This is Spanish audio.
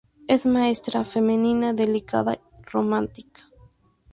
Es maestra, femenina, delicada, romántica.